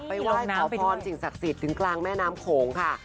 ไหว้ขอพรสิ่งศักดิ์สิทธิ์ถึงกลางแม่น้ำโขงค่ะ